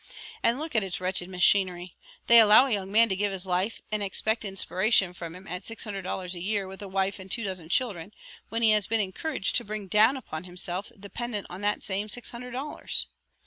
And look at its wretched machinery they allow a young man to give his life and expect inspiration from him at six hundred dollars a year with a wife and two dozen children, which he has been encouraged to bring down upon himself, dependent on that same six hundred dollars.